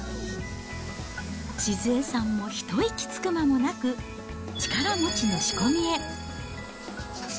静恵さんも一息つく間もなく、力餅の仕込みへ。